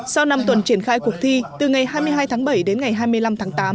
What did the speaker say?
sau năm tuần triển khai cuộc thi từ ngày hai mươi hai tháng bảy đến ngày hai mươi năm tháng tám